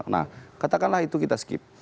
nah katakanlah itu kita skip